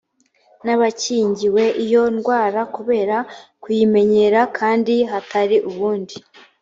n abakingiwe iyo ndwara kubera kuyimenyera kandi hatari ubundi